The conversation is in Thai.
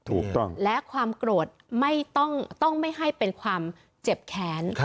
อะไรความโกรธไม่ต้องต้องไม่ให้เป็นความเจ็บแขน